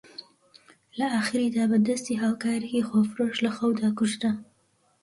لە ئاخریدا بە دەستی هاوکارێکی خۆفرۆش لە خەودا کوژرا